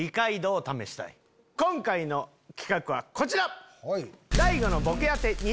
今回の企画はこちら！